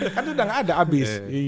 kan itu udah gak ada abis